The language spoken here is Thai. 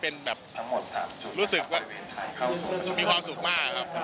เป็นแบบรู้สึกว่ามีความสุขมากครับ